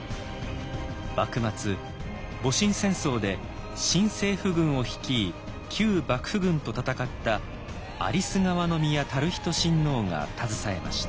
幕末戊辰戦争で新政府軍を率い旧幕府軍と戦った有栖川宮熾仁親王が携えました。